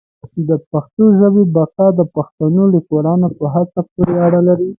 د پښتو ژبي بقا د پښتنو لیکوالانو په هڅو پوري اړه لري.